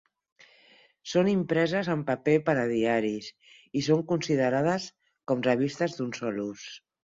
Són impreses en paper per a diaris i són considerades com revistes d'un sol ús.